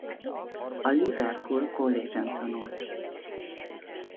A Liverpool College-n tanult.